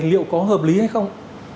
liệu có hợp lý hay không